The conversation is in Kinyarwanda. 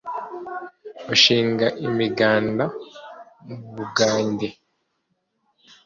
bagashinga imiganda mu bugande